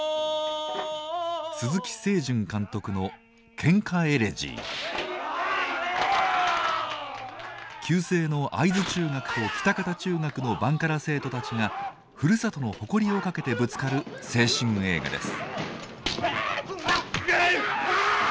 鈴木清順監督の旧制の会津中学と喜多方中学のバンカラ生徒たちがふるさとの誇りをかけてぶつかる青春映画です。